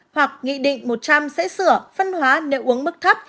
hoặc nghị định một trăm linh sẽ sửa phân hóa nếu uống mức thấp